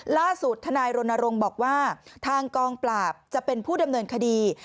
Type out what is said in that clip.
ทนายรณรงค์บอกว่าทางกองปราบจะเป็นผู้ดำเนินคดี